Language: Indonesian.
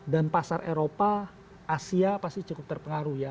dan pasar eropa asia pasti cukup terpengaruh ya